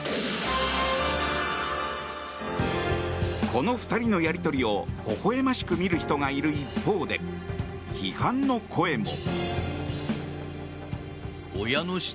この２人のやり取りをほほ笑ましく見る人がいる一方で批判の声も。